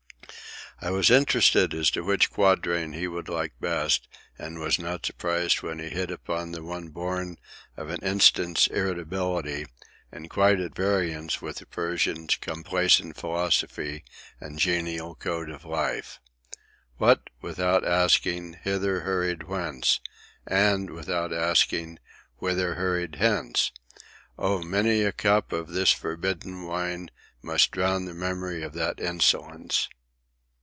I was interested as to which quatrain he would like best, and was not surprised when he hit upon the one born of an instant's irritability, and quite at variance with the Persian's complacent philosophy and genial code of life: "What, without asking, hither hurried Whence? And, without asking, Whither hurried hence! Oh, many a Cup of this forbidden Wine Must drown the memory of that insolence!"